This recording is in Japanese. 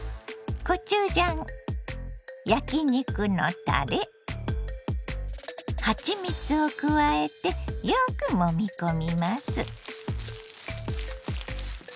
コチュジャン焼き肉のたれはちみつを加えてよくもみ込みます。